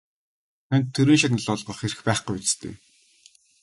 Танд Төрийн шагнал олгох эрх байхгүй биз дээ?